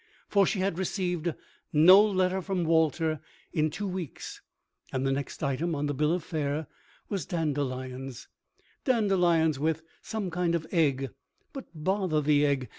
For she had received no letter from Walter in two weeks, and the next item on the bill of fare was dandelions—dandelions with some kind of egg—but bother the egg!